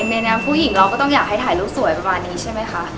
ในนามผู้หญิงเราก็ต้องอยากให้ถ่ายรูปสวยประมาณนี้ใช่ไหมคะ